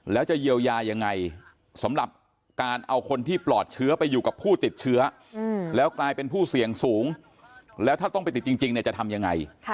แล้วจะเยียวยายังไงสำหรับการเอาคนที่ปลอดเชื้อไปอยู่กับผู้ติดเชื้อแล้วกลายเป็นผู้เสี่ยงสูงแล้วถ้าต้องไปติดจริงเนี่ยจะทำยังไง